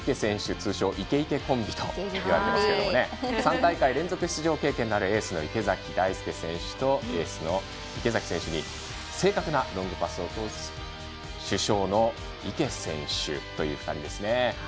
通称イケ・イケコンビと言われていますけれども３大会連続出場経験のあるエースの池崎大輔選手とエースの池崎選手に正確なロングパスを通す主将の池選手の２人ですね。